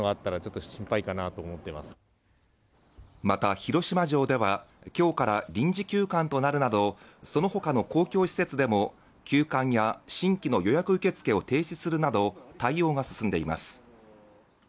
また、広島城では今日から臨時休館となるなどその他の公共施設でも休館や新規の予約受け付けを停止するなど対応が進んでいます。